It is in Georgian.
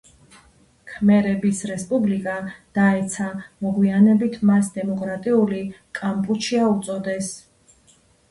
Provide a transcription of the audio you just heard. ქმერების რესპუბლიკა დაეცა, მოგვიანებით მას დემოკრატიული კამპუჩია უწოდეს.